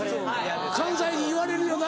関西人言われるよな。